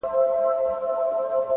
• خو ستا به زه اوس هيڅ په ياد كي نه يم؛